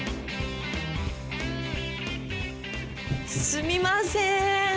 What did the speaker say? すみません。